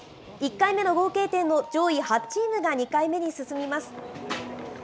１回目の合計点の上位８チームが２回目に進みます。